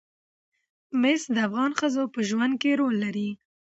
مس د افغان ښځو په ژوند کې رول لري.